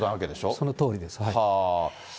そのとおりですね。